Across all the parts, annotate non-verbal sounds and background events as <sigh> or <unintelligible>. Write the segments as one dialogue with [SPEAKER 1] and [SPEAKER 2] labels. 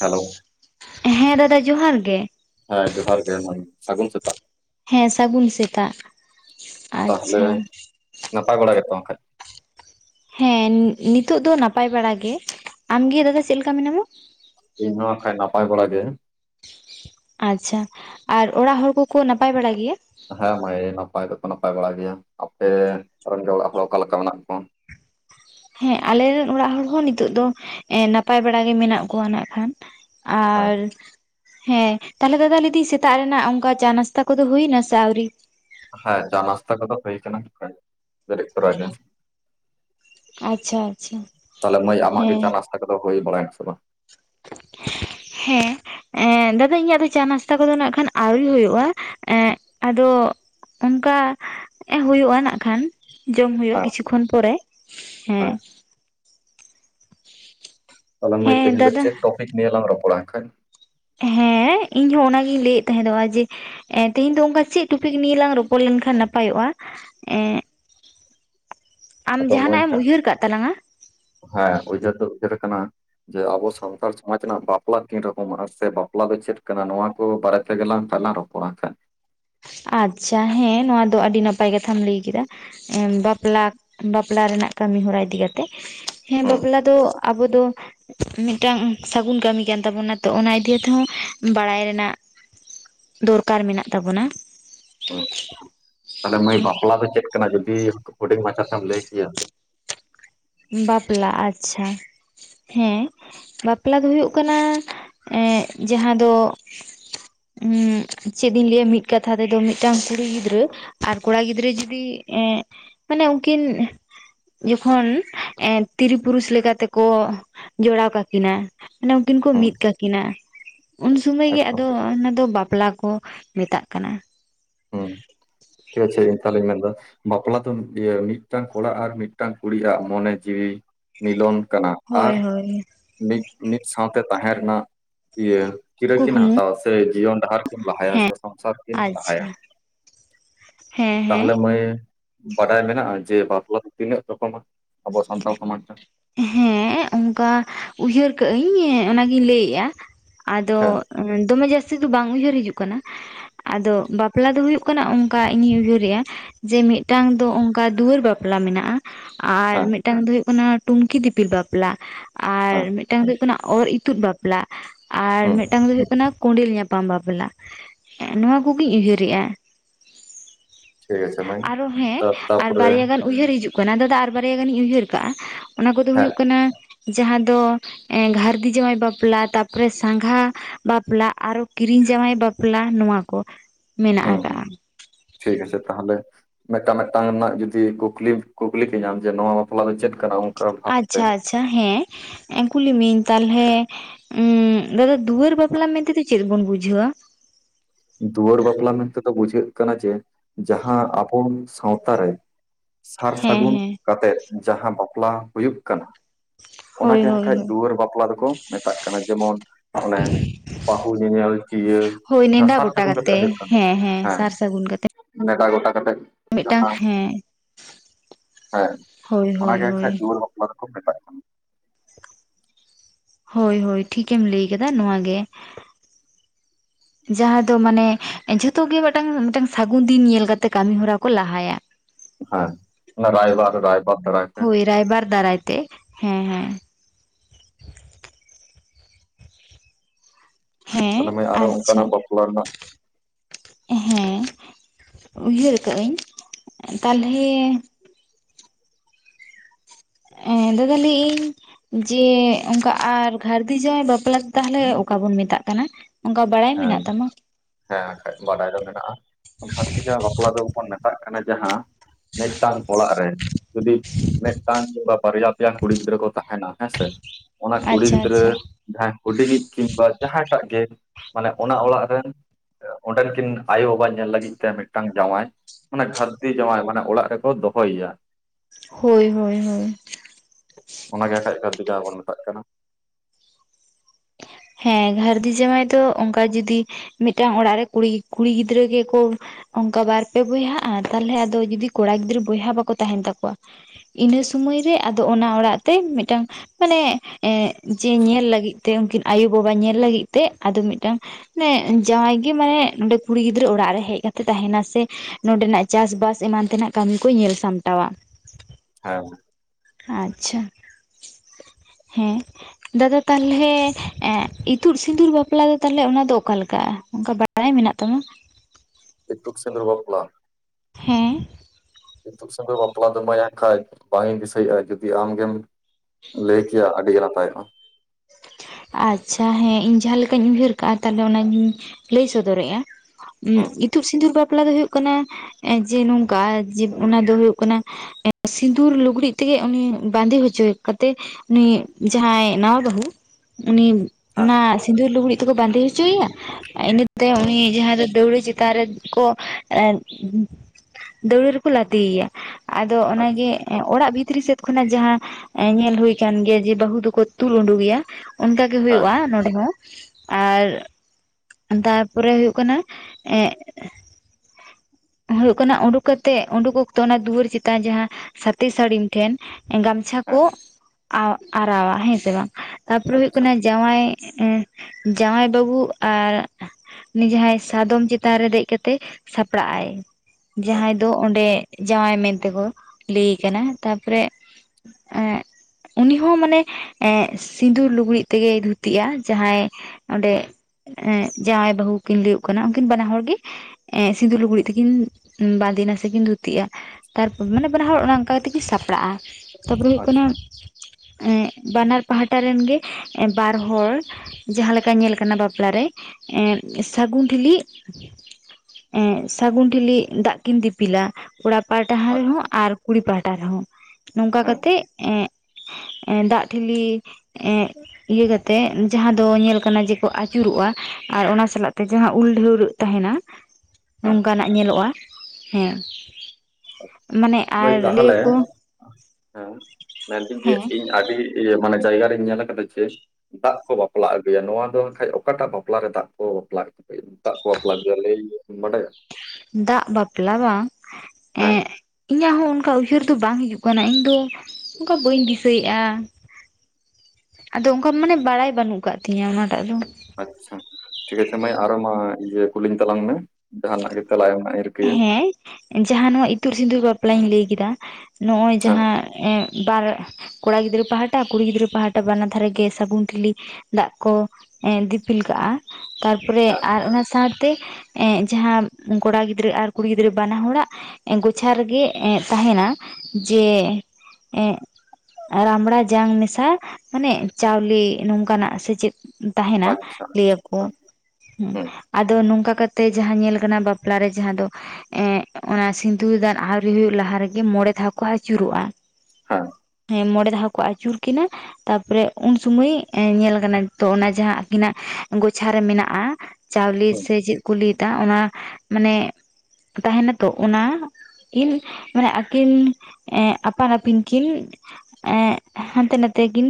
[SPEAKER 1] Hello
[SPEAKER 2] ᱦᱮᱸ ᱫᱟᱫᱟ ᱡᱚᱦᱟᱨ ᱜᱮ
[SPEAKER 1] ᱦᱮᱸ ᱡᱚᱦᱟᱨ ᱜᱮ ᱢᱟᱹᱭ ᱥᱟᱹᱜᱩᱱ ᱥᱮᱛᱟᱜ
[SPEAKER 2] ᱦᱮᱸ ᱥᱟᱹᱜᱩᱱ ᱥᱮᱛᱟᱜ
[SPEAKER 1] ᱛᱟᱦᱚᱞᱮ
[SPEAKER 2] ᱟᱪᱪᱷᱟ
[SPEAKER 1] ᱱᱟᱯᱟᱭ ᱵᱟᱲᱟ ᱜᱮᱛᱚ ᱦᱟᱸᱜ ᱠᱷᱟᱡ
[SPEAKER 2] ᱦᱮᱸ ᱱᱤᱛᱚᱜ ᱫᱚ ᱱᱟᱯᱟᱭ ᱵᱟᱲᱟ ᱜᱮ ᱟᱢ ᱜᱮ ᱫᱟᱫᱟ ᱪᱮᱫ ᱞᱮᱠᱟ ᱢᱮᱱᱟᱢᱟ
[SPEAKER 1] ᱤᱧ ᱦᱚᱸ ᱦᱟᱸᱜ ᱠᱷᱟᱡ ᱱᱟᱯᱟᱭ ᱵᱟᱲᱟ ᱜᱮ
[SPEAKER 2] ᱟᱪᱪᱷᱟ ᱟᱨ ᱚᱲᱟᱜ ᱦᱚᱲ ᱠᱚᱠᱚ ᱱᱟᱯᱟᱭ ᱵᱟᱲᱟ ᱜᱮᱭᱟ
[SPEAKER 1] ᱦᱮᱸ ᱢᱟᱹᱭ ᱱᱟᱯᱟᱭ ᱫᱚᱠᱚ ᱱᱟᱯᱟᱭ ᱵᱟᱲᱟ ᱜᱮᱭᱟ ᱾ ᱟᱯᱮ ᱠᱚᱨᱮᱱ ᱜᱮ ᱚᱲᱟᱜ ᱦᱚᱲ ᱚᱠᱟ ᱞᱮᱠᱟ ᱢᱮᱱᱟᱜ ᱠᱚᱣᱟ
[SPEAKER 2] ᱦᱮᱸ ᱟᱞᱮ ᱨᱮᱱ ᱚᱲᱟᱜ ᱦᱚᱲ ᱦᱚᱸ ᱱᱤᱛᱚᱜ ᱫᱚ ᱱᱟᱯᱟᱭ ᱵᱟᱲᱟ ᱜᱮ ᱢᱮᱱᱟᱜ ᱠᱚᱣᱟ ᱱᱟᱸᱜ ᱠᱷᱟᱱ
[SPEAKER 1] ᱦᱮᱸ
[SPEAKER 2] ᱟᱨ ᱦᱮᱸ ᱛᱟᱦᱞᱮ ᱫᱟᱫᱟ ᱞᱟᱹᱭ ᱮᱫᱤᱧ ᱥᱮᱛᱟᱜ ᱨᱮᱱᱟᱜ ᱚᱱᱠᱟ ᱪᱟ ᱱᱟᱥᱛᱟ ᱠᱚᱫᱚ ᱦᱩᱭ ᱮᱱᱟ ᱥᱮ ᱟᱹᱣᱨᱤ
[SPEAKER 1] ᱦᱮᱸ ᱪᱟ ᱱᱟᱥᱛᱟ ᱠᱚᱫᱚ ᱦᱩᱭ ᱟᱠᱟᱱᱟ ᱦᱟᱸᱜ ᱠᱷᱟᱡ ᱵᱮᱨᱮᱫ ᱛᱚᱨᱟ ᱜᱮ
[SPEAKER 2] ᱟᱪᱪᱷᱟ ᱟᱪᱪᱷᱟ
[SPEAKER 1] <inaudible> ᱛᱟᱦᱞᱮ ᱢᱟᱹᱭ ᱟᱢᱟᱜ ᱜᱮ
[SPEAKER 2] ᱦᱮᱸ
[SPEAKER 1] ᱪᱟ ᱱᱟᱥᱛᱟ ᱠᱚᱫᱚ ᱦᱩᱭ ᱵᱟᱲᱟᱭᱱᱟ ᱥᱮ ᱵᱟᱝ?
[SPEAKER 2] ᱦᱮᱸ, ᱮᱸᱻ ᱫᱟᱫᱟ ᱤᱧᱟᱹᱜ ᱫᱚ ᱪᱟ ᱱᱟᱥᱛᱟ ᱠᱚᱫᱚ ᱱᱟᱸᱦᱜ ᱠᱷᱟᱱ ᱟᱹᱣᱨᱤ ᱦᱩᱭᱩᱜᱼᱟ, ᱮᱸᱻᱦ, ᱟᱫᱚ, ᱚᱱᱠᱟ ᱦᱩᱭᱩᱜᱼᱟ, ᱱᱟᱸᱦᱜ ᱠᱷᱟᱱ ᱡᱚᱢ ᱦᱩᱭᱩᱜᱼᱟ,
[SPEAKER 1] ᱦᱮᱸ
[SPEAKER 2] ᱠᱤᱪᱷᱩ ᱠᱷᱚᱱ ᱯᱚᱨᱮ ᱦᱮᱸ ᱾
[SPEAKER 1] ᱟᱞᱟᱝ ᱢᱟ. ᱭ
[SPEAKER 2] ᱦᱮᱸ
[SPEAKER 1] ᱛᱮᱦᱮᱧ ᱫᱚ
[SPEAKER 2] ᱫᱟᱫᱟ
[SPEAKER 1] ᱪᱮᱫ ᱴᱨᱚᱯᱤᱠ ᱱᱤᱭᱮ ᱞᱟᱝ ᱨᱚᱯᱚᱲᱟ, ᱮᱱᱠᱷᱟᱡ?
[SPEAKER 2] ᱦᱮᱸ ᱤᱧᱦᱚᱸ ᱚᱱᱟᱜᱤᱧ ᱞᱟᱹᱭᱮᱫ ᱛᱟᱦᱮᱸᱫᱚᱜᱼᱟ ᱡᱮ, ᱛᱮᱦᱤᱧ ᱫᱚ ᱚᱱᱠᱟ ᱪᱮᱫ? ᱴᱚᱯᱤᱠ ᱱᱤᱭᱮ ᱞᱟᱝ ᱨᱚᱯᱚᱲ ᱞᱮᱱᱠᱷᱟᱱ ᱱᱟᱯᱟᱭᱚᱜᱼᱟ ᱾ ᱮᱸᱻ, ᱟᱢ
[SPEAKER 1] ᱟᱫᱚ ᱢᱟᱹᱭ
[SPEAKER 2] ᱡᱟᱦᱟᱱᱟᱜ ᱮᱢ
[SPEAKER 1] ᱦᱟᱸᱜ
[SPEAKER 2] ᱩᱭᱦᱟᱹᱨ ᱟᱠᱟᱫ ᱛᱟᱞᱟᱝᱟ?
[SPEAKER 1] ᱦᱮᱸ, ᱩᱭᱦᱟᱹᱨ ᱫᱚ ᱩᱭᱦᱟᱹᱨ ᱟᱠᱟᱱᱟ ᱾ ᱡᱮ ᱟᱵᱚ ᱥᱟᱱᱛᱟᱲ ᱥᱚᱢᱟᱡᱽ ᱨᱮᱱᱟᱜ ᱵᱟᱯᱞᱟ ᱛᱤᱱ ᱨᱚᱠᱚᱢᱼᱟ, ᱥᱮ ᱵᱟᱯᱞᱟ ᱫᱚ ᱪᱮᱫ ᱠᱟᱱᱟ, ᱱᱚᱣᱟ ᱠᱚ ᱵᱟᱨᱮ ᱛᱮᱜᱮᱞᱟᱝ ᱛᱮᱞᱟᱝ ᱨᱚᱯᱚᱲ ᱚᱱᱟ ᱠᱷᱟᱱ᱾
[SPEAKER 2] ᱟᱪᱪᱷᱟ ᱦᱮᱸ, ᱱᱚᱣᱟ ᱫᱚ ᱟᱹᱰᱤ ᱱᱟᱯᱟᱭ ᱠᱟᱛᱷᱟᱢ ᱞᱟᱹᱭ ᱠᱮᱫᱟ ᱾ ᱮᱸᱢ ᱵᱟᱯᱞᱟ, ᱵᱟᱯᱞᱟ ᱨᱮᱱᱟᱜ ᱠᱟᱹᱢᱤᱦᱚᱨᱟ ᱤᱫᱤ ᱠᱟᱛᱮ, ᱦᱮᱸ
[SPEAKER 1] ᱦᱩᱸ
[SPEAKER 2] ᱵᱟᱯᱞᱟ ᱫᱚ ᱟᱵᱚ ᱫᱚ ᱢᱤᱫᱴᱟᱝ ᱥᱟᱹᱜᱩᱱ ᱠᱟᱹᱢᱤ ᱠᱟᱱ ᱛᱟᱵᱚᱱᱟ ᱛᱚ, ᱚᱱᱟ ᱤᱫᱤᱟᱛᱮ ᱦᱚᱸ ᱵᱟᱲᱟᱭ ᱨᱮᱱᱟᱜ ᱫᱚᱨᱠᱟᱨ ᱢᱮᱱᱟᱜ ᱛᱟᱵᱚᱱᱟ ᱾
[SPEAKER 1] ᱦᱩᱸ, ᱛᱟᱦᱞᱮ ᱢᱟᱹᱭ, ᱵᱟᱯᱞᱟ ᱫᱚ ᱪᱮᱫ ᱠᱟᱱᱟ? ᱡᱩᱫᱤ ᱦᱩᱰᱤᱧ ᱢᱟᱪᱷᱟ ᱛᱮᱢ ᱞᱟᱹᱭ ᱠᱮᱭᱟ᱾
[SPEAKER 2] ᱵᱟᱯᱞᱟ ᱟᱪᱪᱷᱟ ᱾ ᱦᱮᱸ ᱵᱟᱯᱞᱟ ᱫᱚ ᱦᱩᱭᱩᱜ ᱠᱟᱱᱟ, ᱮᱸᱻ ᱡᱟᱦᱟᱸ ᱫᱚ ᱦᱩᱸᱻ ᱪᱮᱫ ᱤᱧ ᱞᱟᱹᱭᱟ? ᱢᱤᱫ ᱠᱟᱛᱷᱟ ᱛᱮᱫᱚ ᱢᱤᱫᱴᱟᱝ ᱠᱩᱲᱤ ᱜᱤᱫᱽᱨᱟᱹ ᱟᱨ ᱠᱚᱲᱟ ᱜᱤᱫᱽᱨᱟᱹ ᱡᱩᱫᱤ ᱮᱸ, ᱢᱟᱱᱮ ᱩᱱᱠᱤᱱ ᱡᱚᱠᱷᱚᱱ ᱮᱸ ᱛᱤᱨᱤ ᱯᱩᱨᱩᱥ ᱞᱮᱠᱟ ᱛᱮᱠᱚ ᱡᱚᱲᱟᱣ ᱠᱟᱠᱤᱱᱟ, ᱢᱟᱱᱮ ᱩᱱᱠᱤᱱ ᱠᱚ
[SPEAKER 1] ᱦᱩᱸ
[SPEAKER 2] ᱢᱤᱫ ᱠᱟᱠᱤᱱᱟ ᱾ ᱩᱱᱥᱩᱢᱟᱹᱭ ᱜᱮ
[SPEAKER 1] ᱮᱠᱫᱚᱢ
[SPEAKER 2] ᱟᱫᱚ, ᱚᱱᱟᱫᱚ ᱵᱟᱯᱞᱟ ᱠᱚ ᱢᱮᱛᱟᱜ ᱠᱟᱱᱟ ᱾
[SPEAKER 1] ᱦᱩᱸ ᱴᱷᱤᱠ ᱟᱪᱷᱮ, ᱛᱟᱦᱟᱞᱤᱧ ᱢᱮᱱ ᱮᱫᱟ ᱾ ᱵᱟᱯᱞᱟ ᱫᱚ ᱤᱭᱟᱹ, ᱢᱤᱫᱴᱟᱝ ᱠᱚᱲᱟ ᱟᱨ ᱢᱤᱫᱴᱟᱝ ᱠᱩᱲᱤᱭᱟᱜ ᱢᱚᱱᱮ ᱡᱤᱣᱤ ᱢᱤᱞᱚᱱ ᱠᱟᱱᱟ
[SPEAKER 2] ᱦᱳᱭ
[SPEAKER 1] ᱟᱨ
[SPEAKER 2] ᱦᱳᱭ
[SPEAKER 1] ᱢᱤᱫ, ᱢᱤᱫ ᱥᱟᱶᱛᱮ ᱛᱟᱦᱮᱸ ᱨᱮᱱᱟᱜ, ᱤᱭᱟᱹ ᱠᱤᱨᱟᱹ ᱠᱤᱱ
[SPEAKER 2] ᱠᱩᱠᱢᱩ
[SPEAKER 1] ᱦᱟᱛᱟᱣᱟ, ᱥᱮ ᱡᱤᱭᱚᱱ ᱰᱟᱦᱟᱨ ᱠᱤᱱ ᱞᱟᱦᱟᱭᱟ, ᱥᱮ
[SPEAKER 2] ᱦᱮᱸ
[SPEAKER 1] ᱥᱚᱝᱥᱟᱨ ᱠᱤᱱ ᱞᱟᱦᱟᱭᱟ
[SPEAKER 2] ᱟᱪᱪᱷᱟ
[SPEAKER 1] ᱾
[SPEAKER 2] ᱦᱮᱸ ᱦᱮᱸ
[SPEAKER 1] ᱛᱟᱦᱞᱮ ᱢᱟᱹᱭ, ᱵᱟᱰᱟᱭ ᱢᱮᱱᱟᱜᱼᱟ ᱾ ᱡᱮ ᱵᱟᱯᱞᱟ ᱫᱚ ᱛᱤᱱᱟᱹᱜ? ᱨᱚᱠᱚᱢᱼᱟ, ᱟᱵᱚ ᱥᱟᱱᱛᱟᱲ ᱥᱚᱢᱟᱡᱽ ᱨᱮ ᱾
[SPEAKER 2] ᱦᱮᱸ, ᱚᱱᱠᱟ ᱩᱭᱦᱟᱹᱨ ᱠᱟᱜᱼᱟᱹᱧ ᱚᱱᱟᱜᱤᱧ ᱞᱟᱹᱭᱮᱫᱼᱟ ᱾ ᱟᱫᱚ
[SPEAKER 1] ᱦᱮᱸ
[SPEAKER 2] ᱫᱚᱢᱮ ᱡᱟᱹᱥᱛᱤ ᱫᱚ ᱵᱟᱝ? ᱩᱭᱦᱟᱹᱨ ᱦᱤᱡᱩᱜ ᱠᱟᱱᱟ ᱾ ᱟᱫᱚ ᱵᱟᱯᱞᱟ ᱫᱚ ᱦᱩᱭᱩᱜ ᱠᱟᱱᱟ, ᱚᱱᱠᱟ ᱤᱧᱤᱧ ᱩᱭᱦᱟᱹᱨᱮᱜᱼᱟ ᱾ ᱡᱮ ᱢᱤᱫᱴᱟᱝ ᱫᱚ ᱚᱱᱠᱟ ᱫᱩᱣᱟᱹᱨ ᱵᱟᱯᱞᱟ ᱢᱮᱱᱟᱜᱼᱟ᱾ ᱟᱨ
[SPEAKER 1] ᱦᱮᱸ
[SPEAKER 2] ᱢᱤᱫᱴᱟᱝ ᱫᱚ ᱦᱩᱭᱩᱜ ᱠᱟᱱᱟ ᱴᱩᱝᱠᱤ ᱫᱤᱯᱤᱞ ᱵᱟᱯᱞᱟ, ᱟᱨ
[SPEAKER 1] ᱦᱮᱸ
[SPEAKER 2] ᱢᱤᱫᱴᱟᱝ ᱫᱚ ᱚᱨ ᱤᱛᱩᱫ ᱵᱟᱯᱞᱟ, ᱟᱨ
[SPEAKER 1] ᱦᱩᱸ
[SPEAKER 2] ᱢᱤᱫᱴᱟᱝ ᱫᱚ ᱦᱩᱭᱩᱜ ᱠᱟᱱᱟ ᱠᱚᱸᱰᱮᱞ ᱧᱟᱯᱟᱢ ᱵᱟᱯᱞᱟ, ᱱᱚᱣᱟ ᱠᱚᱜᱤᱧ ᱩᱭᱦᱟᱹᱨᱮᱜᱼᱟ ᱾
[SPEAKER 1] ᱴᱷᱤᱠ ᱟᱪᱷᱮ ᱢᱟᱹᱭ
[SPEAKER 2] ᱟᱨᱚ ᱦᱮᱸ,
[SPEAKER 1] ᱛᱟ
[SPEAKER 2] ᱟᱨ
[SPEAKER 1] ᱛᱟᱯᱚᱨᱮ
[SPEAKER 2] ᱵᱟᱨᱭᱟ ᱜᱟᱱ ᱩᱭᱦᱟᱹᱨ ᱦᱤᱡᱩᱜ ᱚᱱᱟ ᱫᱚ ᱫᱟᱫᱟ, ᱟᱨ ᱵᱟᱨᱭᱟ ᱜᱟᱱᱤᱧ ᱩᱭᱦᱟᱹᱨ ᱠᱟᱜᱼᱟ, ᱚᱱᱟ ᱠᱚᱫᱚ
[SPEAKER 1] ᱦᱮᱸ
[SPEAKER 2] ᱦᱩᱭᱩᱜ ᱠᱟᱱᱟ ᱡᱟᱦᱟᱸ ᱫᱚ ᱜᱷᱟᱨᱫᱤ ᱡᱟᱶᱟᱭ ᱵᱟᱯᱞᱟ, ᱛᱟᱯᱚᱨᱮ ᱥᱟᱸᱜᱷᱟ ᱵᱟᱯᱞᱟ ᱟᱨᱚ ᱠᱤᱨᱤᱧ ᱡᱟᱶᱟᱭ ᱵᱟᱯᱞᱟ, ᱱᱚᱣᱟ ᱠᱚ ᱢᱮᱱᱟᱜ
[SPEAKER 1] ᱦᱩᱸ ᱦᱩᱸ
[SPEAKER 2] ᱟᱠᱟᱫᱼᱟ ᱾
[SPEAKER 1] ᱴᱷᱤᱠ ᱟᱪᱮ, ᱛᱟᱦᱚᱞᱮ ᱾ ᱢᱤᱫᱴᱟᱝ, ᱢᱤᱫᱴᱟᱝ ᱨᱮᱱᱟᱜ ᱡᱩᱫᱤ ᱠᱩᱠᱞᱤ, ᱠᱩᱠᱞᱤ ᱠᱮᱧᱟᱢ, ᱡᱮ ᱱᱚᱣᱟ ᱵᱟᱯᱞᱟ ᱫᱚ ᱪᱮᱫ ᱠᱟᱱᱟ? ᱵᱷᱟᱵᱛᱮ
[SPEAKER 2] ᱟᱪᱪᱷᱟ ᱟᱪᱪᱷᱟ ᱦᱮᱸ, ᱠᱩᱞᱤ ᱢᱤᱭᱟᱹᱧ ᱛᱟᱦᱟᱞᱮ ᱮᱸᱻ, ᱫᱟᱫᱟ ᱫᱩᱣᱟᱹᱨ ᱵᱟᱯᱞᱟ ᱢᱮᱱᱛᱮ, ᱫᱚ ᱪᱮᱫ ᱵᱚᱱ ᱵᱩᱡᱷᱟᱹᱣᱟ?
[SPEAKER 1] ᱫᱩᱣᱟᱹᱨ ᱵᱟᱯᱞᱟ ᱢᱮᱱᱛᱮ ᱫᱚ ᱵᱩᱡᱷᱟᱹᱜ ᱠᱟᱱᱟ, ᱡᱮ ᱡᱟᱦᱟᱸ ᱟᱵᱚ ᱥᱟᱶᱛᱟ ᱨᱮ, ᱥᱟᱨ
[SPEAKER 2] ᱦᱮᱸ
[SPEAKER 1] ᱥᱟᱹᱜᱩᱱ
[SPEAKER 2] ᱦᱮᱸ
[SPEAKER 1] ᱠᱟᱛᱮᱫ ᱡᱟᱦᱟᱸ ᱵᱟᱯᱞᱟ ᱦᱩᱭᱩᱜ ᱠᱟᱱᱟ,
[SPEAKER 2] ᱦᱳᱭ
[SPEAKER 1] ᱚᱱᱟᱜᱮ
[SPEAKER 2] ᱦᱳᱭ
[SPEAKER 1] ᱦᱮᱸᱠᱟᱡ
[SPEAKER 2] ᱦᱳᱭ
[SPEAKER 1] ᱫᱩᱣᱟᱹᱨ ᱵᱟᱯᱞᱟ ᱫᱚᱠᱚ ᱢᱮᱛᱟᱜ ᱠᱟᱱᱟ ᱾ ᱡᱮᱢᱚᱱ, ᱚᱱᱮ ᱵᱟᱦᱩ ᱧᱮᱧᱮᱞ ᱪᱤᱭᱟᱹ
[SPEAKER 2] ᱦᱳᱭ
[SPEAKER 1] ᱡᱟᱦᱟᱸ
[SPEAKER 2] ᱱᱮᱰᱟ
[SPEAKER 1] ᱥᱟᱨ
[SPEAKER 2] ᱜᱚᱴᱟ
[SPEAKER 1] ᱥᱟᱹᱜᱩᱱ
[SPEAKER 2] ᱠᱟᱛᱮᱜ,
[SPEAKER 1] ᱦᱩᱭᱩᱜ ᱠᱟᱱᱟ
[SPEAKER 2] ᱦᱮᱸ ᱦᱮᱸ ᱥᱟᱨ ᱥᱟᱹᱜᱩᱱ ᱠᱟᱛᱮ ᱾
[SPEAKER 1] ᱱᱮᱰᱟ ᱜᱚᱴᱟ ᱠᱟᱛᱮᱫ
[SPEAKER 2] ᱦᱮᱸ
[SPEAKER 1] ᱾ ᱦᱮᱸ
[SPEAKER 2] ᱦᱳᱭ
[SPEAKER 1] <inaudible>
[SPEAKER 2] ᱦᱳᱭ
[SPEAKER 1] ᱚᱱᱟᱜᱮ
[SPEAKER 2] ᱦᱳᱭ
[SPEAKER 1] ᱠᱷᱟᱱᱡ ᱫᱩᱣᱟᱹᱲᱼᱼ ᱠᱷ <inaudible> ᱵᱮᱯᱟᱨ ᱠᱟᱱᱟ
[SPEAKER 2] ᱦᱳᱭ ᱦᱳᱭ ᱴᱷᱤᱠᱮᱢ ᱞᱟᱹᱭ ᱠᱟᱫᱟ ᱱᱚᱣᱟ ᱜᱮ ᱾
[SPEAKER 1] <inaudible>
[SPEAKER 2] ᱡᱟᱦᱟᱸ ᱫᱚ ᱢᱟᱱᱮ ᱡᱷᱚᱛᱚ ᱜᱮ ᱢᱤᱫᱴᱟᱹᱝ ᱢᱤᱫᱴᱟᱹᱝ ᱥᱟᱹᱜᱩᱱ ᱫᱤᱱ ᱧᱮᱞ ᱠᱟᱛᱮᱜ ᱠᱟᱹᱢᱤᱦᱚᱨᱟ ᱠᱚ ᱞᱟᱦᱟᱭᱟ ᱾
[SPEAKER 1] ᱦᱮᱸ ᱚᱱᱟ ᱨᱟᱭᱵᱟᱨ ᱨᱟᱭᱵᱟᱨ ᱫᱟᱨᱟᱭ ᱾
[SPEAKER 2] ᱦᱳᱭ ᱨᱟᱭᱵᱟᱨ ᱫᱟᱨᱟᱭ ᱛᱮ, ᱦᱮᱸ ᱦᱮᱸᱼᱼ ᱦᱮᱸ
[SPEAKER 1] ᱛᱟᱦᱚᱞᱮ ᱟᱨᱚ
[SPEAKER 2] ᱟᱪᱪᱷᱟ
[SPEAKER 1] ᱚᱱᱠᱟᱱᱟᱜ ᱵᱟᱯᱞᱟ ᱨᱮᱱᱟᱜᱼᱼ
[SPEAKER 2] ᱦᱮᱸ ᱩᱭᱦᱟᱹᱨ ᱟᱠᱟᱜ ᱟᱹᱧ ᱛᱟᱞᱦᱮᱼᱼ ᱦᱮᱸ ᱞᱟᱹᱭᱫᱟ ᱞᱤᱧᱼᱼ ᱡᱮ ᱚᱱᱠᱟ ᱟᱨ ᱜᱷᱟᱨᱫᱤ ᱡᱟᱶᱟᱭ ᱵᱟᱯᱞᱟᱛᱮ ᱛᱟᱦᱚᱞᱮ ᱚᱠᱟ ᱵᱚᱱ ᱢᱮᱛᱟᱜ ᱠᱟᱱᱟ? ᱚᱱᱠᱟ ᱵᱟᱲᱟᱭ
[SPEAKER 1] ᱦᱮᱸ
[SPEAKER 2] ᱢᱮᱱᱟᱜ ᱛᱟᱢᱟ?
[SPEAKER 1] ᱦᱮᱸ ᱠᱷᱟᱡ ᱵᱟᱰᱟᱭ ᱫᱚ ᱢᱮᱱᱟᱜᱼᱟ, ᱜᱷᱟᱨᱫᱤ ᱡᱟᱶᱟᱭ ᱵᱟᱯᱞᱟ ᱫᱚᱵᱚᱱ ᱢᱮᱛᱟᱜ ᱠᱟᱱᱟ ᱡᱟᱦᱟᱸᱼᱼ ᱢᱤᱫᱴᱟᱝ ᱚᱲᱟᱜ ᱨᱮ, ᱡᱩᱫᱤᱼᱼ ᱢᱤᱫᱴᱟᱝ ᱠᱤᱝᱵᱟ ᱵᱟᱨᱭᱟ ᱯᱮᱭᱟ ᱠᱩᱲᱤ ᱜᱤᱫᱽᱨᱟᱹ ᱠᱚ ᱛᱟᱦᱮᱱᱟ ᱦᱮᱸᱥᱮ ᱚᱱᱟ ᱠᱩᱲᱤ
[SPEAKER 2] ᱟᱪᱪᱷᱟ ᱟᱪᱪᱷᱟ
[SPEAKER 1] ᱜᱤᱫᱽᱨᱟᱹᱼᱼ <unintelligible> ᱦᱩᱰᱤᱧᱤᱡ ᱠᱤᱢᱵᱟ ᱡᱟᱦᱟᱸᱭᱴᱟᱜ ᱜᱮ, ᱢᱟᱱᱮ ᱚᱱᱟ ᱚᱲᱟᱜ ᱨᱮᱱᱼᱼ ᱚᱸᱰᱮᱱ ᱠᱤᱱ ᱟᱭᱳ ᱵᱟᱵᱟ ᱧᱮᱞ ᱞᱟᱹᱜᱤᱫ ᱛᱮ ᱢᱤᱫᱴᱟᱝ ᱡᱟᱶᱟᱭᱼᱼ ᱢᱟᱱᱮ ᱜᱷᱟᱨᱫᱤ ᱡᱟᱶᱟᱭ ᱢᱟᱱᱮ ᱚᱲᱟᱜ ᱨᱮᱠᱚ ᱫᱚᱦᱚᱭᱮᱭᱟ ᱾
[SPEAKER 2] ᱦᱳᱭ ᱦᱳᱭ ᱦᱳᱭ ᱾
[SPEAKER 1] ᱚᱱᱟᱜᱮ ᱟᱠᱟᱡᱛᱮ ᱡᱟᱦᱟᱸ ᱵᱚᱱ ᱢᱮᱛᱟᱜ ᱠᱟᱱᱟ ᱾
[SPEAKER 2] ᱦᱮᱸ ᱜᱷᱟᱨᱫᱤ ᱡᱟᱶᱟᱭ ᱫᱚ ᱚᱱᱠᱟ ᱡᱩᱫᱤᱼᱼ ᱢᱤᱫᱴᱟᱝ ᱚᱲᱟᱜ ᱨᱮ ᱠᱩᱲᱤ, ᱠᱩᱲᱤ ᱜᱤᱫᱽᱨᱟᱹ ᱜᱮᱠᱚᱼᱼ ᱚᱱᱠᱟ ᱵᱟᱨᱯᱮ ᱵᱚᱭᱦᱟᱜᱼᱟ ᱛᱟᱦᱞᱮ ᱟᱫᱚ ᱡᱚᱫᱤ ᱠᱚᱲᱟ ᱜᱤᱫᱽᱨᱟᱹ ᱵᱚᱭᱦᱟ ᱵᱟᱠᱚ ᱛᱟᱦᱮᱱ ᱛᱟᱠᱚᱣᱟ ᱾ ᱤᱱᱟᱹ ᱥᱚᱢᱚᱭ ᱨᱮ ᱟᱫᱚ ᱚᱱᱟ ᱚᱲᱟᱜ ᱛᱮ ᱢᱤᱫᱴᱟᱝ ᱢᱟᱱᱮ ᱮᱸ ᱡᱮ ᱧᱮᱞ ᱞᱟᱹᱜᱤᱫᱼᱼ ᱛᱮ ᱩᱱᱠᱤᱱ ᱟᱭᱳ ᱵᱟᱵᱟ ᱧᱮᱞ ᱞᱟᱹᱜᱤᱫ ᱛᱮ ᱟᱫᱚ ᱢᱤᱫᱴᱟᱝᱼᱼ ᱢᱮ ᱡᱟᱶᱟᱭ ᱜᱮ ᱢᱟᱱᱮ ᱱᱚᱸᱰᱮ ᱠᱩᱲᱤ ᱜᱤᱫᱽᱨᱟᱹ ᱚᱲᱟᱜ ᱨᱮ ᱦᱮᱡ ᱠᱟᱛᱮᱜ ᱛᱟᱦᱮᱱᱟ ᱥᱮ ᱾ ᱱᱚᱰᱮᱱᱟᱜ ᱪᱟᱥᱵᱟᱥ ᱮᱢᱟᱱ ᱛᱮᱱᱟᱜ ᱠᱟᱹᱢᱤ ᱠᱚᱭ ᱧᱮᱞ ᱥᱟᱢᱴᱟᱣᱟ ᱾
[SPEAKER 1] ᱦᱟᱸ ᱾
[SPEAKER 2] ᱟᱪᱪᱷᱟ <unintelligible> ᱦᱮᱸ ᱫᱟᱫᱟ ᱛᱟᱦᱞᱮ, ᱮᱸᱜ ᱤᱛᱩᱫ ᱥᱤᱸᱫᱩᱨ ᱵᱟᱯᱞᱟ ᱫᱚ ᱛᱟᱞᱦᱮ ᱚᱱᱟ ᱫᱚ ᱚᱠᱟ ᱞᱮᱠᱟᱜ-ᱟ <unintelligible> ᱵᱟᱲᱟᱭ ᱢᱮᱱᱟᱜ ᱛᱟᱢᱟ?
[SPEAKER 1] ᱤᱛᱩᱫ ᱥᱤᱸᱫᱩᱨ ᱵᱟᱯᱞᱟ
[SPEAKER 2] ᱦᱮᱸ ᱾
[SPEAKER 1] ᱤᱛᱩᱫ ᱥᱤᱸᱫᱩᱨ ᱵᱟᱯᱞᱟ ᱫᱚ ᱢᱟᱹᱭ ᱮᱱ ᱠᱷᱟᱡ, ᱵᱟᱝ ᱤᱧ ᱫᱤᱥᱟᱹᱭᱮᱫᱼᱟ ᱡᱩᱫᱤ ᱟᱢᱜᱮᱢ ᱞᱟᱹᱭ ᱠᱮᱭᱟ ᱟᱹᱰᱤ ᱜᱮ ᱱᱟᱯᱟᱭᱚᱜ-ᱟ ᱾
[SPEAKER 2] ᱟᱪᱪᱷᱟ ᱦᱮᱸ ᱤᱧ ᱡᱟᱦᱟᱸ ᱞᱮᱠᱟᱧ ᱩᱭᱦᱟᱹᱨ ᱠᱟᱜᱼᱟ ᱛᱟᱦᱞᱮ ᱚᱱᱟᱜᱮᱧ ᱞᱟᱹᱭ ᱥᱚᱫᱚᱨᱮᱜᱼᱟ ᱾ ᱩᱸ
[SPEAKER 1] ᱦᱩᱸ
[SPEAKER 2] ᱤᱛᱩᱫ ᱥᱤᱸᱫᱩᱨ ᱵᱟᱯᱞᱟ ᱫᱚ ᱦᱩᱭᱩᱜ ᱠᱟᱱᱟ ᱡᱮ ᱱᱚᱝᱠᱟ ᱡᱮ ᱚᱱᱟ ᱫᱚ ᱦᱩᱭᱩᱜ ᱠᱟᱱᱟᱼᱼ <unintelligible> ᱥᱤᱸᱫᱩᱨ ᱞᱩᱜᱽᱲᱤᱡ ᱛᱮᱜᱮ ᱩᱱᱤ ᱵᱟᱸᱫᱮ ᱦᱚᱪᱚᱭ ᱠᱟᱛᱮᱜᱼᱼ ᱱᱩᱭ ᱡᱟᱦᱟᱸᱭ ᱱᱟᱣᱟ ᱵᱟᱹᱦᱩᱼᱼ ᱩᱱᱤ
[SPEAKER 1] ᱦᱮᱸ
[SPEAKER 2] ᱚᱱᱟ ᱥᱤᱸᱫᱩᱨ ᱞᱩᱜᱽᱲᱤᱡ ᱛᱮᱠᱚ ᱵᱟᱸᱫᱮ ᱦᱚᱪᱚᱭᱮᱭᱟ ᱾ ᱤᱱᱟᱹ ᱛᱟᱭᱚᱢ ᱩᱱᱤ ᱡᱟᱦᱟᱸᱭ ᱫᱚ ᱫᱟᱹᱣᱲᱤ ᱪᱮᱛᱟᱱ ᱨᱮᱼᱼ ᱠᱚ ᱮᱸᱜ, ᱫᱟᱹᱣᱲᱟᱹ ᱨᱮᱠᱚ ᱞᱟᱫᱮᱭᱮᱭᱟ ᱟᱫᱚ ᱚᱱᱟᱜᱮᱼᱼ ᱚᱲᱟᱜ ᱵᱷᱤᱛᱨᱤ ᱥᱮᱫ ᱠᱷᱚᱱᱟᱜ ᱡᱟᱦᱟᱸ ᱧᱮᱞ ᱦᱩᱭ ᱠᱟᱱ ᱜᱮᱭᱟ ᱡᱮ ᱵᱟᱹᱦᱩ ᱫᱚᱠᱚ ᱛᱩᱞ ᱩᱰᱚᱠ ᱮᱭᱟ ᱾ ᱚᱱᱠᱟ ᱜᱮ ᱦᱩᱭᱩᱜᱼᱟ ᱱᱚᱰᱮ ᱦᱚᱸ ᱾ ᱟᱨ ᱛᱟᱨᱯᱚᱨᱮ ᱦᱩᱭᱩᱜ ᱠᱟᱱᱟ ᱮᱸᱜᱼᱼ ᱦᱩᱭᱩᱜ ᱠᱟᱱᱟ ᱩᱸᱰᱩᱠ ᱠᱟᱛᱮᱜ ᱩᱸᱰᱚᱠ ᱚᱠᱛᱚ ᱚᱱᱟ ᱫᱩᱣᱟᱹᱨ ᱪᱮᱛᱟᱱ ᱡᱟᱦᱟ, ᱸ ᱥᱟᱛᱮ ᱥᱟᱹᱲᱤᱢ ᱴᱷᱮᱱᱼᱼ ᱜᱟᱢᱪᱷᱟ ᱠᱚ ᱟ ᱟᱨᱟᱣᱟ ᱦᱮᱸᱥᱮ ᱵᱟᱝ ᱛᱟᱨᱯᱚᱨᱮ ᱦᱩᱭᱩᱜ ᱠᱟᱱᱟ ᱡᱟᱶᱟᱭ, ᱮᱸᱡᱟᱶᱟᱭ ᱵᱟᱹᱵᱩ ᱟᱨ᱾ ᱩᱱᱤ ᱡᱟᱦᱟᱸᱭ ᱥᱟᱫᱚᱢ ᱪᱮᱛᱟᱱ ᱨᱮ ᱫᱮᱡ ᱠᱟᱛᱮᱜ ᱥᱟᱯᱲᱟᱜ ᱟᱭ ᱡᱟᱦᱟᱸᱭ ᱫᱚ ᱚᱸᱰᱮ, ᱡᱟᱶᱟᱭ ᱢᱮᱱ ᱛᱮᱠᱚ ᱞᱟᱹᱭᱮ ᱠᱟᱱᱟ ᱛᱟᱯᱚᱨᱮ, ᱮᱸᱜ ᱩᱱᱤ ᱦᱚᱸ ᱢᱟᱱᱮ ᱮᱸᱜ, ᱥᱤᱸᱫᱩᱨ ᱞᱩᱜᱽᱲᱤᱡ ᱛᱮᱜᱮᱭ ᱫᱷᱩᱛᱤᱜᱼᱟ ᱡᱟᱦᱟᱸᱭ ᱚᱸᱰᱮ᱾ ᱮᱸᱜ ᱡᱟᱶᱟᱭ ᱵᱟᱹᱦᱩ ᱠᱤᱱ ᱞᱟᱹᱭᱳᱜ ᱠᱟᱱᱟ ᱩᱱᱠᱤᱱ ᱵᱟᱱᱟ ᱦᱚᱲᱜᱮ᱾ ᱮᱸᱜ ᱥᱤᱸᱫᱩᱨ ᱞᱩᱜᱽᱲᱤᱡ ᱛᱮᱠᱤᱱ ᱵᱟᱸᱫᱮᱱᱟ ᱥᱮ ᱠᱤᱱ ᱫᱷᱩᱛᱤᱜᱼᱟ᱾ ᱛᱟᱨᱯᱚᱨ ᱢᱟᱱᱮ ᱵᱟᱱᱟ ᱦᱚᱲ ᱚᱱᱟ ᱚᱱᱠᱟ ᱠᱟᱛᱮ ᱠᱤᱱ ᱥᱟᱯᱲᱟᱜᱼᱟ᱾ ᱛᱟᱯᱚᱨᱮ ᱦᱩᱭᱩᱜ ᱠᱟᱱᱟ, ᱮᱸᱜ ᱵᱟᱱᱟᱨ ᱯᱟᱦᱴᱟ ᱨᱮᱱ ᱜᱮ ᱵᱟᱨ ᱦᱚᱲ᱾ ᱡᱟᱦᱟᱸ ᱞᱮᱠᱟ ᱧᱮᱞ ᱠᱟᱱᱟ ᱵᱟᱯᱞᱟᱨᱮ ᱮᱸᱫ ᱥᱟᱹᱜᱩᱱ ᱴᱷᱤᱞᱤ, ᱮᱸᱜ ᱥᱟᱹᱜᱩᱱ ᱴᱷᱤᱞᱤ ᱫᱟᱜ ᱠᱤᱱ ᱫᱤᱯᱤᱞᱟ᱾ ᱠᱚᱲᱟ ᱯᱟᱦᱟᱴᱟ ᱨᱮᱦᱚᱸ, ᱟᱨ ᱠᱩᱲᱤ ᱯᱟᱦᱟᱴᱟ ᱨᱮᱦᱚᱸ, ᱱᱚᱝᱠᱟ
[SPEAKER 1] ᱦᱮᱸ
[SPEAKER 2] ᱠᱟᱛᱮᱜ ᱮᱸᱜ, ᱮ ᱫᱟᱜ ᱴᱷᱤᱞᱤ ᱮᱸᱜ, ᱤᱭᱟᱹ ᱠᱟᱛᱮᱜ ᱡᱟᱦᱟᱸ ᱫᱚ ᱧᱮᱞ ᱠᱟᱱᱟ ᱡᱮᱠᱚ ᱟᱹᱪᱩᱨᱚᱜᱼᱟ ᱟᱨ ᱚᱱᱟ ᱥᱟᱞᱟᱜ ᱛᱮ ᱡᱟᱦᱟᱸ ᱩᱞ ᱰᱷᱟᱹᱣᱨᱟᱹᱜ᱾ ᱛᱟᱦᱮᱱᱟ,
[SPEAKER 1] ᱦᱮᱸ
[SPEAKER 2] ᱱᱚᱝᱠᱟᱱᱟᱜ ᱧᱮᱞᱚᱜᱼᱟ ᱦᱮᱸ,
[SPEAKER 1] ᱟᱪᱪᱷᱟ
[SPEAKER 2] ᱢᱟᱱᱮ
[SPEAKER 1] ᱢᱟᱹᱭ
[SPEAKER 2] ᱟᱨ
[SPEAKER 1] ᱛᱟᱦᱞᱮ,
[SPEAKER 2] ᱞᱟᱹᱭᱟᱠᱚ
[SPEAKER 1] ᱦᱮᱸ ᱢᱮᱱᱫᱟᱹᱧ ᱡᱮ
[SPEAKER 2] ᱦᱮᱸ
[SPEAKER 1] ᱤᱧ ᱟᱹᱰᱤ ᱤᱭᱟᱹ ᱢᱟᱱᱮ ᱡᱟᱭᱜᱟ ᱨᱮᱧ ᱧᱮᱞ ᱠᱟᱫᱟ ᱪᱮ? ᱫᱟᱜ ᱠᱚ ᱵᱟᱯᱞᱟ ᱟᱹᱜᱩᱭᱟ, ᱱᱚᱣᱟ ᱫᱚ ᱠᱷᱟᱡ ᱚᱠᱟᱴᱟᱜ ᱵᱟᱯᱞᱟ ᱨᱮ ᱫᱟᱜ ᱠᱚ ᱵᱟᱯᱞᱟᱜ ᱫᱟᱜ ᱠᱚ ᱵᱟᱯᱞᱟ ᱟᱜᱩᱭᱟ, <unintelligible> ᱵᱟᱰᱟᱭᱟ?
[SPEAKER 2] ᱫᱟᱜ ᱵᱟᱯᱞᱟ ᱵᱟᱝ?
[SPEAKER 1] ᱦᱮᱸ
[SPEAKER 2] ᱮᱸᱜ ᱤᱧᱟᱹᱜ ᱦᱚᱸ ᱚᱱᱠᱟ ᱩ ᱩᱭᱦᱟᱹᱨ ᱫᱚ ᱵᱟᱝ ᱦᱤᱡᱩᱜ ᱠᱟᱱᱟ ᱤᱧ ᱫᱚ, ᱚᱱᱠᱟ ᱵᱟᱹᱧ ᱫᱤᱥᱟᱹᱭᱮᱫᱼᱟ᱾ ᱟᱫᱚ ᱚᱱᱠᱟ ᱢᱟᱱᱮ ᱵᱟᱲᱟᱭ ᱵᱟᱹᱱᱩᱜ ᱠᱟᱫ ᱛᱤᱧᱟᱹ ᱚᱱᱟᱴᱟᱜ ᱫᱚ᱾
[SPEAKER 1] ᱟᱪᱪᱷᱟ ᱴᱷᱤᱠ ᱟᱪᱷᱮ ᱢᱟᱹᱭ ᱟᱨ ᱢᱟ ᱤᱭᱟᱹ, ᱠᱩᱞᱤᱧ ᱛᱟᱞᱟᱝ ᱢᱮ ᱡᱟᱦᱟᱱᱟᱜ ᱜᱮ ᱛᱮᱞᱟ ᱮᱢ ᱨᱮᱱᱟ
[SPEAKER 2] ᱦᱮᱸ ᱡᱟᱦᱟᱸ ᱱᱚᱣᱟ ᱤᱛᱩᱫ ᱥᱤᱸᱫᱩᱨ ᱵᱟᱯᱞᱟᱧ ᱞᱟᱹᱭ ᱠᱮᱫᱟ᱾ ᱱᱚᱜᱼᱚᱭ
[SPEAKER 1] ᱦᱮᱸ
[SPEAKER 2] ᱡᱟᱦᱟᱸ ᱮᱸᱜ ᱵᱟᱨ ᱠᱚᱲᱟ ᱜᱤᱫᱽᱟᱹ ᱯᱟᱦᱟᱴᱟ ᱠᱩᱲᱤ ᱜᱤᱫᱽᱨᱟᱹ ᱯᱟᱦᱟᱴᱟ ᱵᱟᱱᱟᱨ ᱫᱷᱟᱨᱮ ᱜᱮ ᱥᱟᱹᱜᱩᱱ ᱴᱷᱤᱞᱤ ᱫᱟᱜ ᱠᱚ ᱫᱤᱯᱤᱞ ᱠᱟᱜᱼᱟ᱾ ᱛᱟᱨᱯᱚᱨᱮ
[SPEAKER 1] ᱦᱮᱸ
[SPEAKER 2] ᱟᱨ ᱚᱱᱟ ᱥᱟᱶᱛᱮ, ᱮᱸᱜ ᱡᱟᱦᱟᱸ ᱠᱚᱲᱟ ᱜᱤᱫᱽ ᱨᱟᱹ ᱟᱨ ᱠᱩᱲᱤ ᱜᱤᱫᱽᱨᱟᱹ ᱵᱟᱱᱟ ᱦᱚᱲᱟᱜ ᱜᱚᱪᱷᱟ ᱨᱮᱜᱮ ᱮᱸᱜ ᱛᱟᱦᱮᱱᱟ ᱡᱮ, ᱮᱸᱜ ᱨᱟᱢᱲᱟ ᱡᱟᱝ ᱢᱮᱥᱟ ᱢᱟᱱᱮ ᱪᱟᱣᱞᱮ ᱱᱚᱝᱠᱟᱱᱟᱜ ᱥᱮ ᱪᱮᱫ? ᱛᱟᱦᱮᱱᱟ
[SPEAKER 1] ᱟᱪᱪᱷᱟ
[SPEAKER 2] ᱞᱟᱹᱭ
[SPEAKER 1] ᱟᱪᱪᱷᱟ
[SPEAKER 2] ᱟᱠᱚ᱾
[SPEAKER 1] ᱦᱮᱸ
[SPEAKER 2] ᱦᱮᱸ ᱟᱫᱚ ᱱᱚᱝᱠᱟ ᱠᱟᱛᱮᱜ ᱡᱟᱦᱟᱸ ᱧᱮᱞ ᱠᱟᱱᱟ ᱵᱟᱯᱞᱟᱨᱮ ᱡᱟᱦᱟᱸ ᱫᱚ᱾ ᱮᱸᱜ ᱚᱱᱟ ᱥᱤᱸᱫᱩᱨ ᱫᱟᱱ ᱟᱹᱣᱨᱤ ᱦᱩᱭᱩᱜ ᱞᱟᱦᱟ ᱨᱮᱜᱮ ᱢᱚᱬᱮ ᱫᱷᱟᱣ ᱠᱚ ᱟᱹᱪᱩᱨᱚᱜᱼᱟ᱾
[SPEAKER 1] ᱦᱮᱸ,
[SPEAKER 2] ᱦᱮᱸ ᱢᱚᱲᱮ ᱫᱷᱟᱣ ᱠᱚ ᱟᱹᱪᱩᱨ ᱠᱤᱱᱟ᱾ ᱛᱟᱨᱯᱚᱨᱮ ᱩᱱ ᱥᱚᱢᱚᱭ ᱧᱮᱞ ᱟᱠᱟᱱᱟ ᱛᱚ ᱚᱱᱟ ᱡᱟᱦᱟᱸ ᱟᱹᱠᱤᱱᱟᱜ ᱜᱳᱪᱷᱟᱨᱮ ᱢᱮᱱᱟᱜᱼᱟ᱾ ᱪᱟᱣᱞᱮ
[SPEAKER 1] ᱦᱩᱸ
[SPEAKER 2] ᱥᱮ ᱪᱮᱫ ᱠᱚ ᱞᱟᱹᱭ ᱮᱫᱟ ᱚᱱᱟ, ᱢᱟᱱᱮ ᱛᱟᱦᱮᱱᱟ ᱛᱚ ᱚᱱᱟ᱾ ᱠᱤᱱ ᱢᱟᱱᱮ ᱟᱹᱠᱤᱱ ᱮᱸ ᱟᱯᱟᱱ ᱟᱹᱯᱤᱱ ᱠᱤᱱ, ᱮᱸᱜ ᱦᱟᱱᱛᱮ ᱱᱟᱛᱮ ᱠᱤᱱ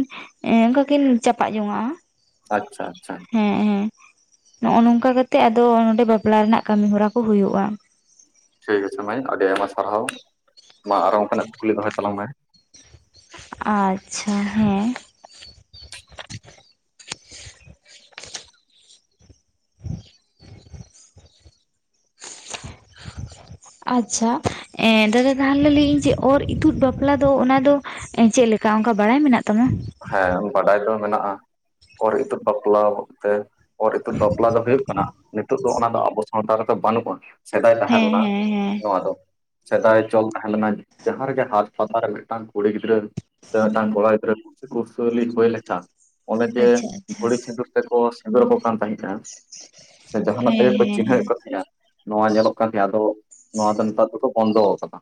[SPEAKER 2] ᱮᱸ ᱚᱱᱠᱟ ᱠᱤᱱ ᱪᱟᱯᱟᱜ ᱡᱚᱱᱟᱜᱼᱟ᱾
[SPEAKER 1] ᱟᱪᱪᱷᱟ ᱟᱪᱪᱷᱟ,
[SPEAKER 2] ᱦᱮᱸ ᱦᱮᱸ ᱱᱚᱜ-ᱚ ᱱᱚᱝᱠᱟ ᱠᱟᱛᱮᱜ ᱟᱫᱚ ᱱᱚᱸᱰᱮ ᱵᱟᱯᱞᱟ ᱨᱮᱱᱟᱜ ᱠᱟᱢᱤ ᱦᱚᱨᱟ ᱠᱚ ᱦᱩᱭᱩᱜᱼᱟ᱾
[SPEAKER 1] ᱴᱷᱤᱠ ᱟᱪᱪᱷᱮ ᱢᱟᱹᱭ, ᱟᱹᱰᱤ ᱟᱭᱢᱟ ᱥᱟᱨᱦᱟᱣ ᱢᱟ ᱟᱨᱚ ᱚᱱᱠᱟᱱᱟᱜ ᱠᱩᱠᱞᱤ ᱫᱚᱦᱚᱭ ᱛᱟᱞᱟᱝ ᱢᱮ?
[SPEAKER 2] ᱟᱪᱪᱷᱟ ᱦᱮᱸ,
[SPEAKER 1] <inaudible>
[SPEAKER 2] ᱟᱪᱪᱷᱟ ᱫᱟᱫᱟ ᱛᱟᱦᱟᱞᱮ, ᱞᱟᱹᱭᱟᱹᱧ ᱡᱮ ᱚᱨ ᱤᱛᱩᱫ ᱵᱟᱯᱞᱟ ᱫᱚ ᱚᱱᱟ ᱫᱚ᱾ ᱪᱮᱫ ᱞᱮᱠᱟ ᱚᱱᱠᱟ ᱵᱟᱲᱟᱭ ᱢᱮᱱᱟᱜ ᱛᱟᱢᱟ᱾
[SPEAKER 1] ᱦᱮᱸ ᱵᱟᱰᱟᱭ ᱫᱚ ᱢᱮᱱᱟᱜᱼᱟ ᱚᱨ ᱤᱛᱩᱹᱫ ᱵᱟᱯᱞᱟ ᱛᱮ, ᱚᱨ ᱤᱛᱩᱫ ᱵᱟᱯᱞᱟ ᱫᱚ ᱦᱩᱭᱩᱜ ᱠᱟᱱᱟ, ᱱᱤᱛᱚᱜ ᱫᱚ ᱚᱱᱟ ᱫᱚ ᱟᱵᱚ ᱥᱟᱶᱛᱟ ᱨᱮᱫᱚ ᱵᱟᱹᱱᱩᱜ ᱟ᱾ ᱥᱮᱫᱟᱭ ᱛᱟᱦᱮᱸ
[SPEAKER 2] ᱦᱮᱸ
[SPEAKER 1] ᱞᱮᱱᱟ
[SPEAKER 2] ᱦᱮᱸ ᱦᱮᱸ
[SPEAKER 1] ᱱᱚᱣᱟ ᱫᱚ᱾ ᱥᱮᱫᱟᱭ ᱪᱚᱞ ᱛᱟᱦᱮᱸ ᱞᱮᱱᱟ ᱡᱟᱦᱟᱸ ᱨᱮᱜᱮ ᱦᱟᱴ ᱯᱟᱛᱟ ᱨᱮ ᱢᱤᱫᱴᱟᱝ ᱠᱩᱲᱤ ᱜᱤᱫᱽᱨᱟᱹ ᱥᱮ ᱢᱤᱫᱴᱟᱝ ᱠᱚᱲᱟ ᱜᱤᱫᱽᱨᱟᱹ᱾ ᱠᱩᱥᱟᱹᱞᱤ ᱦᱩᱭ ᱞᱮᱠᱷᱟᱱ ᱚᱱᱮ ᱡᱮ
[SPEAKER 2] ᱟᱪᱪᱷᱟ ᱟᱪᱪᱷᱟ
[SPEAKER 1] ᱫᱷᱩᱲᱤ ᱥᱤᱸᱫᱩᱨ ᱛᱮᱠᱚ ᱥᱤᱸᱫᱩᱨ ᱟᱠᱚ ᱠᱟᱱ ᱛᱟᱦᱮᱸ ᱠᱟᱱ ᱥᱮ ᱡᱟᱦᱟᱱᱟᱜ
[SPEAKER 2] ᱦᱮᱸ
[SPEAKER 1] ᱛᱮᱜᱮ ᱠᱚ
[SPEAKER 2] ᱦᱮᱸ ᱦᱮᱸ
[SPEAKER 1] ᱪᱤᱱᱦᱟᱹᱣᱮᱫ ᱠᱚ ᱛᱟᱦᱮᱸᱫᱼᱟ, ᱱᱚᱣᱟ ᱧᱮᱞᱚᱜ ᱠᱟᱱ ᱜᱮᱭᱟ ᱟᱫᱚ ᱱᱚᱣᱟ ᱫᱚ ᱱᱮᱛᱟᱨ ᱫᱚᱠᱚ ᱵᱚᱱᱫᱚ ᱟᱠᱟᱫᱟ᱾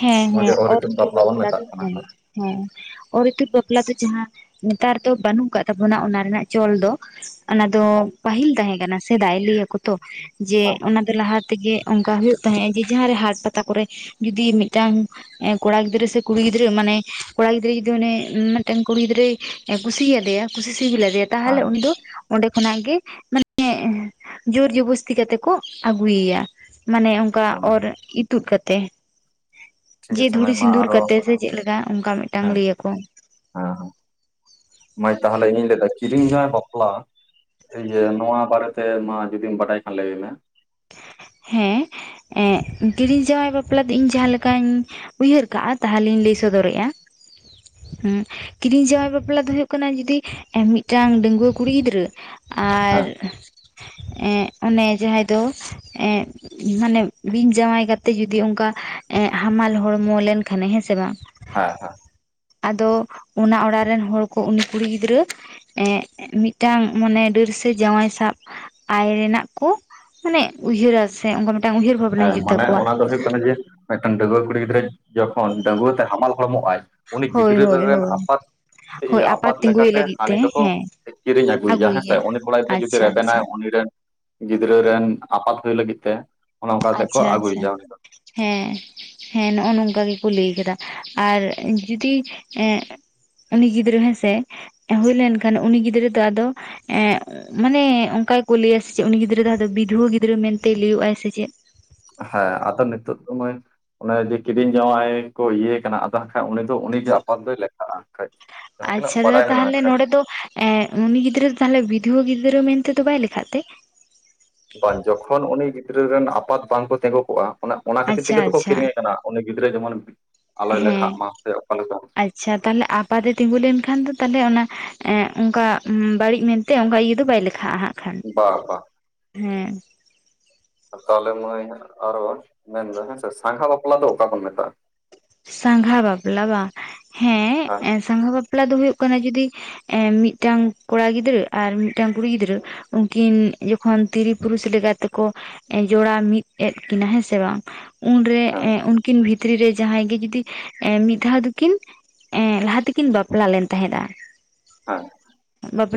[SPEAKER 2] ᱦᱮᱸ
[SPEAKER 1] ᱱᱚᱣᱟ ᱜᱮ
[SPEAKER 2] ᱦᱮᱸ ᱚᱨ ᱤᱛᱩᱫ
[SPEAKER 1] ᱵᱚᱱ
[SPEAKER 2] ᱵᱟᱯᱞᱟ
[SPEAKER 1] ᱢᱮᱛᱟᱜ
[SPEAKER 2] ᱫᱚ
[SPEAKER 1] ᱠᱟᱱᱟ
[SPEAKER 2] ᱦᱮᱸ, ᱦᱮᱸ ᱚᱨ ᱤᱛᱩᱫ ᱵᱟᱯᱞᱟ ᱫᱚ ᱡᱟᱦᱟᱸ ᱱᱮᱛᱟᱨ ᱫᱚ ᱵᱟᱹᱱᱩᱜ ᱠᱟᱜ ᱛᱟᱵᱚᱱᱟ ᱚᱱᱟ ᱨᱮᱱᱟᱜ ᱪᱚᱞ ᱫᱚ, ᱚᱱᱟ ᱫᱚ ᱯᱟᱹᱦᱤᱞ ᱛᱟᱦᱮᱸ ᱠᱟᱱᱟ ᱥᱮᱫᱟᱭ ᱞᱟᱹᱭᱟᱠᱚ ᱛᱚ ᱡᱮ ᱚᱱᱟ ᱫᱚ ᱞᱟᱦᱟ ᱛᱮᱜᱮ ᱚᱱᱠᱟ ᱦᱩᱭᱩᱜ ᱛᱟᱦᱮᱸᱜᱼᱟ ᱡᱮ ᱡᱟᱦᱟᱸᱨᱮ ᱦᱟᱴ ᱯᱟᱛᱟ ᱠᱚᱨᱮ ᱡᱩᱫᱤ ᱢᱤᱫᱴᱟᱝ ᱠᱚᱲᱟ ᱜᱤᱫᱽᱨᱟᱹ ᱥᱮ ᱠᱩᱲᱤ ᱜᱤᱫᱽᱨᱟᱹ ᱢᱟᱱᱮ ᱠᱚᱲᱟ ᱜᱤᱫᱽᱨᱟᱹ ᱡᱩᱫᱤ ᱚᱱᱮ ᱢᱤᱫᱴᱮᱱ ᱠᱩᱲᱤ ᱜᱤᱫᱽᱨᱟᱹᱭ ᱠᱩᱥᱤᱭ ᱟᱫᱮᱭᱟ ᱠᱩᱥᱤ ᱥᱤᱵᱤᱞ ᱟᱫᱮᱭᱟ, ᱛᱟᱦᱞᱮ
[SPEAKER 1] ᱦᱮᱸ
[SPEAKER 2] ᱩᱱᱤ ᱫᱚ ᱚᱸᱰᱮ ᱠᱷᱚᱱᱟᱜ ᱜᱮ ᱢᱟᱱᱮ ᱡᱳᱨ ᱡᱚᱵᱚᱥᱛᱤ ᱠᱟᱛᱮ ᱠᱚ ᱟᱹᱜᱩᱭᱮᱭᱟ ᱢᱟᱱᱮ ᱚᱱᱠᱟ ᱚᱨ ᱤᱛᱩᱫ ᱠᱟᱛᱮᱜ,
[SPEAKER 1] ᱴᱷᱤᱠ
[SPEAKER 2] ᱡᱮ
[SPEAKER 1] ᱟᱪᱷᱮ
[SPEAKER 2] ᱫᱷᱩᱲᱤ
[SPEAKER 1] ᱢᱟ
[SPEAKER 2] ᱥᱤᱸᱫᱩᱨ
[SPEAKER 1] ᱟᱨᱚ
[SPEAKER 2] ᱠᱟᱛᱮᱜ ᱥᱮ ᱪᱮᱫ ᱞᱮᱠᱟ ᱚᱱᱠᱟ ᱢᱤᱫᱴᱟᱝ ᱞᱟᱹᱭ ᱟᱠᱚ,
[SPEAKER 1] ᱦᱮᱸ ᱦᱮᱸ ᱢᱟᱹᱭ ᱛᱟᱦᱚᱞᱮ ᱤᱧᱤᱧ ᱞᱟᱹᱭᱟ ᱠᱤᱨᱤᱧ ᱡᱟᱶᱟᱭ ᱵᱟᱯᱞᱟ ᱤᱭᱟᱹ ᱱᱚᱣᱟ ᱵᱟᱨᱮᱛᱮ ᱢᱟ ᱡᱩᱫᱤᱢ ᱵᱟᱰᱟᱭ ᱠᱷᱟᱱ ᱞᱟᱹᱭᱢᱮ᱾
[SPEAKER 2] ᱦᱮᱸ ᱮᱸᱜ ᱠᱤᱨᱤᱧ ᱡᱟᱶᱟᱭ ᱵᱟᱯᱞᱟ ᱫᱚ ᱤᱧ ᱡᱟᱦᱟᱸ ᱞᱮᱠᱟᱧ ᱩᱭᱦᱟᱹᱨ ᱠᱟᱜᱼᱟ ᱛᱟᱦᱚᱞᱤᱧ ᱞᱟᱹᱭ ᱥᱚᱫᱚᱨᱮᱜᱼᱟ, ᱦᱩᱸ ᱠᱤᱨᱤᱧ ᱡᱟᱶᱟᱭ ᱵᱟᱯᱞᱟ ᱫᱚ ᱦᱩᱭᱩᱜ ᱠᱟᱱᱟ ᱡᱚᱫᱤ ᱢᱤᱫᱴᱟᱝ ᱰᱟᱹᱜᱩᱣᱟᱹ ᱠᱩᱲᱤ ᱜᱤᱫᱽᱨᱟᱹ ᱟᱨ
[SPEAKER 1] ᱦᱮᱸ
[SPEAKER 2] ᱮᱸᱜ ᱚᱱᱮ ᱡᱟᱦᱟᱸᱭ ᱫᱚ ᱮᱸᱜ ᱢᱟᱱᱮ ᱵᱤᱧ ᱡᱟᱶᱟᱭ ᱠᱟᱛᱮᱫ ᱡᱩᱫᱤ ᱮᱸᱜ ᱚᱱᱠᱟ ᱦᱟᱢᱟᱞ ᱦᱚᱲᱢᱚ ᱞᱮᱱᱠᱷᱟᱱᱮ ᱦᱮᱸ ᱥᱮ ᱵᱟᱝ?
[SPEAKER 1] ᱦᱮᱸ ᱦᱮᱸ᱾
[SPEAKER 2] ᱟᱫᱚ ᱚᱱᱟ ᱚᱲᱟᱜ ᱨᱮᱱ ᱦᱚᱲ ᱠᱚ ᱩᱱᱤ ᱠᱩᱲᱤ ᱜᱤᱫᱽᱨᱟᱹ ᱮᱸᱜ ᱢᱤᱫᱴᱟᱝ ᱢᱟᱱᱮ ᱰᱟᱹᱨ ᱥᱮ ᱡᱟᱶᱟᱭ ᱥᱟᱵ ᱟᱭ ᱨᱮᱱᱟᱜ ᱠᱚ ᱢᱟᱱᱮ ᱩᱭᱦᱟᱹᱨᱟ ᱥᱮ ᱚᱱᱠᱟ ᱢᱤᱫᱴᱟᱝ ᱩᱭᱦᱟᱹᱨ ᱵᱷᱟᱵᱽᱱᱟ
[SPEAKER 1] ᱦᱮᱸ
[SPEAKER 2] ᱦᱤᱡᱩᱜ
[SPEAKER 1] ᱢᱟᱱᱮ
[SPEAKER 2] ᱛᱟᱠᱚᱣᱟ᱾
[SPEAKER 1] ᱚᱱᱟ ᱫᱚ ᱦᱩᱭᱩᱜᱜ ᱠᱟᱱᱟ ᱡᱮ ᱢᱤᱫᱴᱮᱱ ᱰᱟᱹᱜᱩᱣᱟᱹ ᱠᱩᱲᱤ ᱜᱤᱫᱽᱨᱟᱹ ᱡᱚᱠᱷᱚᱱ ᱰᱟᱹᱜᱩᱣᱟᱹ ᱛᱮ ᱦᱟᱢᱟᱞ ᱦᱚᱲᱢᱚᱜ ᱟᱭ ᱩᱱᱤ
[SPEAKER 2] ᱦᱳᱭ
[SPEAKER 1] ᱜᱤᱫᱽᱨᱟᱹ
[SPEAKER 2] ᱦᱳᱭ
[SPEAKER 1] ᱨᱮᱱ
[SPEAKER 2] ᱦᱳᱭ᱾
[SPEAKER 1] ᱟᱯᱟᱛ
[SPEAKER 2] ᱦᱳᱭ
[SPEAKER 1] ᱤᱭᱟᱹ ᱟᱯᱟᱛ
[SPEAKER 2] ᱛᱤᱸᱜᱩᱭᱮ
[SPEAKER 1] ᱞᱮᱠᱟᱛᱮ
[SPEAKER 2] ᱞᱟᱹᱜᱤᱫ
[SPEAKER 1] ᱦᱟᱹᱱᱤ
[SPEAKER 2] ᱛᱮ
[SPEAKER 1] ᱫᱚᱠᱚ
[SPEAKER 2] ᱦᱮᱸ
[SPEAKER 1] ᱠᱤᱨᱤᱧ ᱟᱹᱜᱩᱭᱮᱭᱟ ᱦᱮᱸᱥᱮ ᱩᱱᱤ ᱠᱚᱲᱟ ᱜᱤᱫᱽᱨᱟᱹ ᱡᱩᱫᱤ
[SPEAKER 2] ᱟᱪᱪᱷᱟ
[SPEAKER 1] ᱨᱮᱵᱮᱱᱟᱭ
[SPEAKER 2] ᱟᱪᱪᱷᱟ᱾
[SPEAKER 1] ᱩᱱᱤ ᱨᱮᱱ ᱜᱤᱫᱽᱨᱟᱹ ᱨᱮᱱ ᱟᱯᱟᱛ ᱦᱳᱭ ᱞᱟᱹᱜᱤᱫ ᱛᱮ ᱚᱱᱮ ᱚᱱᱠᱟ ᱛᱮᱠᱚ
[SPEAKER 2] ᱟᱪᱪᱷᱟ ᱟᱪᱪᱷᱟ᱾
[SPEAKER 1] ᱟᱹᱜᱩᱭᱮᱭᱟ ᱩᱱᱤ ᱫᱚ
[SPEAKER 2] ᱦᱮᱸ ᱦᱮᱸ ᱱᱚᱜᱼᱚ ᱱᱚᱝᱠᱟ ᱜᱮᱠᱚ ᱞᱟᱹᱭ ᱟᱠᱟᱫᱟ ᱟᱨ ᱡᱩᱫᱤ ᱮᱸᱜ ᱩᱱᱤ ᱜᱤᱫᱽᱨᱟᱹ ᱦᱮᱸᱥᱮ ᱦᱩᱭ ᱞᱮᱱᱠᱷᱟᱱ ᱩᱱᱤ ᱜᱤᱫᱽᱨᱟᱹ ᱫᱚ ᱟᱫᱚ ᱮᱸᱜ ᱢᱟᱱᱮ ᱚᱱᱠᱟ ᱜᱮᱠᱚ ᱞᱟᱹᱭᱟ ᱥᱮ ᱪᱮᱫ ᱩᱱᱤ ᱜᱤᱫᱽᱨᱟᱹ ᱡᱟᱦᱟᱸ ᱫᱚ ᱵᱤᱫᱷᱩᱣᱟᱹ ᱜᱤᱫᱽᱨᱟᱹ ᱢᱮᱱᱛᱮᱭ ᱞᱟᱹᱭᱟᱹᱜ ᱟᱭ ᱥᱮ ᱪᱮᱫ?
[SPEAKER 1] ᱦᱮᱸ ᱟᱫᱚ ᱱᱤᱛᱚᱜ ᱫᱚᱢ ᱢᱟᱹᱭ ᱚᱱᱮ ᱡᱮ ᱠᱤᱨᱤᱧ ᱡᱟᱶᱟᱭ ᱠᱚ ᱤᱭᱟᱹ ᱠᱟᱱᱟ ᱟᱫ ᱚ ᱠᱷᱟᱡ ᱩᱱᱤ ᱫᱚ ᱩᱱᱤᱜᱮ ᱟᱯᱟᱛ ᱫᱚᱭ ᱞᱮᱠᱷᱟᱜᱼᱟ ᱠᱷᱟᱡ ᱾
[SPEAKER 2] ᱟᱪᱪᱷᱟ ᱫᱟᱫᱟ ᱛᱟᱦᱚᱞᱮ ᱱᱚᱰᱮ ᱫᱚ ᱮᱸᱜ ᱩᱱᱤ ᱜᱤᱫᱽᱨᱟᱹ ᱫᱚ ᱛᱟᱦᱚᱞᱮ ᱵᱤᱫᱷᱣᱟᱹ ᱜᱤᱫᱽᱨᱟᱹ ᱢᱮᱱ ᱛᱮᱫᱚ ᱵᱟᱭ ᱞᱮᱠᱷᱟᱜ ᱛᱮ?
[SPEAKER 1] ᱵᱟᱝ, ᱡᱚᱠᱷᱚᱱ ᱩᱱᱤ ᱜᱤᱫᱽᱨᱟᱹ ᱨᱮᱱ ᱟᱯᱟᱛ ᱵᱟᱝᱠᱚ ᱛᱤᱸᱜᱩ ᱠᱚᱜᱼᱟ, ᱚᱱᱟ ᱠᱷᱟᱹᱛᱤᱨ
[SPEAKER 2] ᱟᱪᱪᱷᱟ
[SPEAKER 1] ᱛᱮᱜᱮ ᱛᱚᱠᱚ
[SPEAKER 2] ᱟᱪᱪᱷᱟ
[SPEAKER 1] ᱠᱤᱨᱤᱧᱮ ᱠᱟᱱᱟ ᱾ ᱩᱱᱤ ᱜᱤᱫᱽᱨᱟᱹ ᱡᱮᱢᱚᱱ ᱟᱞᱚᱭ ᱞᱮᱠᱷᱟᱜ
[SPEAKER 2] ᱦᱮᱸ
[SPEAKER 1] ᱢᱟ ᱥᱮ ᱚᱠᱟ ᱞᱮᱠᱟ?
[SPEAKER 2] ᱟᱪᱪᱷᱟ, ᱛᱟᱦᱚᱞᱮ ᱟᱯᱟᱛᱮ ᱛᱤᱸᱜᱩ ᱞᱮᱱᱠᱷᱟᱱ ᱫᱚ ᱛᱟᱦᱚᱞᱮ ᱚᱱᱟ ᱮᱸᱜ ᱚᱱᱠᱟ ᱵᱟᱹᱲᱤᱡ ᱢᱮᱱ ᱛᱮ ᱚᱱᱠᱟ ᱤᱭᱟᱹ ᱫᱚ ᱵᱟᱭ ᱞᱮᱠᱷᱟᱜᱼᱟ ᱦᱟᱸᱜ ᱠᱷᱟᱱ
[SPEAKER 1] ᱵᱟ ᱵᱟ
[SPEAKER 2] ᱦᱮᱸ ᱾
[SPEAKER 1] ᱛᱟᱦᱚᱞᱮ ᱢᱟᱹᱭ ᱟᱨᱚ ᱢᱮᱱᱫᱟ ᱦᱮᱸᱥᱮ ᱥᱟᱸᱜᱷᱟ ᱵᱟᱯᱞᱟ ᱫᱚ ᱚᱠᱟ ᱵᱚᱱ ᱢᱮᱛᱟᱜᱼᱟ?
[SPEAKER 2] ᱥᱟᱸᱜᱷᱟ ᱵᱟᱯᱞᱟ ᱵᱟᱝ ᱦᱮᱸ ᱥᱟᱸᱜᱷᱟ ᱵᱟᱯᱞᱟ ᱫᱚ ᱦᱩᱭᱩᱜ ᱠᱟᱱᱟ ᱡᱩᱫᱤ ᱮᱸ ᱢᱤᱫᱴᱟᱝ ᱠᱚᱲᱟ ᱜᱤᱫᱽᱨᱟᱹ ᱟᱨ ᱢᱤᱫᱴᱟᱝ ᱠᱩᱲᱤ ᱜᱤᱫᱽᱨᱟᱹ ᱩᱱᱠᱤᱱ ᱡᱚᱠᱷᱚᱱ ᱛᱤᱨᱤ ᱯᱩᱨᱩᱥ ᱞᱮᱠᱟ ᱛᱮᱠᱚ ᱡᱚᱲᱟ ᱢᱤᱫ ᱮᱫ ᱠᱤᱱᱟᱹ ᱦᱮᱸᱥᱮ ᱵᱟᱝ ᱩᱱᱨᱮ
[SPEAKER 1] ᱦᱮᱸ
[SPEAKER 2] ᱩᱱᱠᱤᱱ ᱵᱷᱤᱛᱨᱤ ᱨᱮ ᱡᱟᱦᱟᱸᱭ ᱜᱮ ᱡᱩᱫᱤ ᱮ ᱢᱤᱫ ᱫᱷᱟᱹᱣ ᱫᱚᱠᱤᱱ ᱮᱸ ᱞᱟᱦᱟ ᱛᱮᱠᱤᱱ ᱵᱟᱯᱞᱟ ᱞᱮᱱ ᱛᱟᱦᱮᱸᱫᱼᱟ,
[SPEAKER 1] ᱦᱳᱭ᱾
[SPEAKER 2] ᱵᱟᱯᱞᱟ